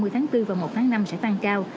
hai mươi tháng bốn và một tháng năm sẽ tăng cao